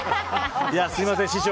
すみません、師匠。